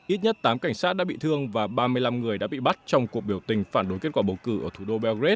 ít nhất tám cảnh sát đã bị thương và ba mươi năm người đã bị bắt trong cuộc biểu tình phản đối kết quả bầu cử ở thủ đô bergrec